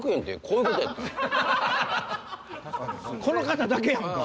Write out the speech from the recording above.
この方だけやんか！